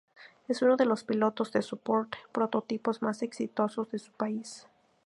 Es uno de los pilotos de sport prototipos más exitosos de su país.